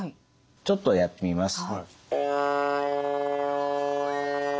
ちょっとやってみます。